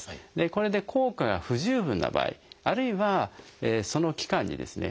これで効果が不十分な場合あるいはその期間にですね